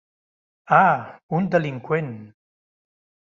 Ah, un delinqüent.